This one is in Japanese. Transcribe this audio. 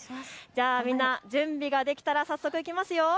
みんな準備ができたら早速いきますよ。